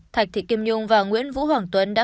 thạch thị kim nhung và nguyễn vũ hoàng tuấn đã